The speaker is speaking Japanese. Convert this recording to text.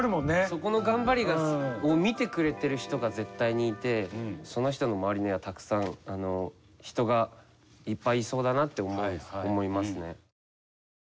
そこの頑張りを見てくれてる人が絶対にいてその人の周りにはたくさん人がいっぱいいそうだなって思いますね。